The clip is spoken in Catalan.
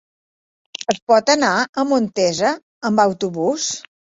Es pot anar a Montesa amb autobús?